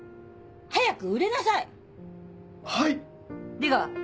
出川。